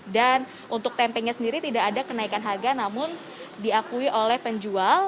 dan untuk tempenya sendiri tidak ada kenaikan harga namun diakui oleh penjual